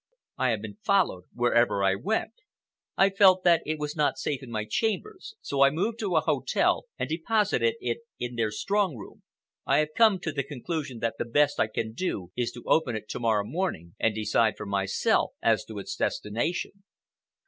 I have been followed whereever I went. I felt that it was not safe in my chambers, so I moved to a hotel and deposited it in their strong room. I have come to the conclusion that the best thing I can do is to open it to morrow morning, and decide for myself as to its destination."